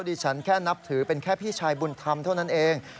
ดิฉันแค่นับถือเป็นแค่พี่ชายบุญธรรมเท่านั้นเอง